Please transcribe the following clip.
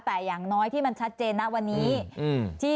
แต่อย่างน้อยที่มันชัดเจนนะวันนี้